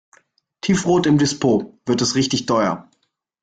"Tiefrot im Dispo" wird es richtig teuer.